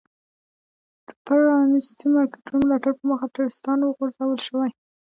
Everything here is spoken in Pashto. د پ رانیستو مارکېټونو ملاتړ په موخه ټرستان وغورځول شول.